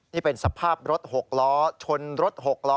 นี่เป็นสภาพรถ๖ล้อชนรถ๖ล้อ